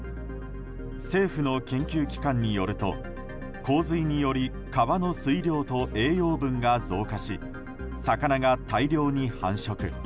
政府の研究機関によると洪水により川の水量と栄養分が増加し魚が大量に繁殖。